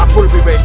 aku lebih baik